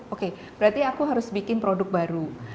oke berarti aku harus bikin produk baru